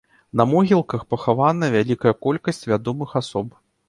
На могілках пахаваная вялікая колькасць вядомых асоб.